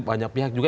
banyak pihak juga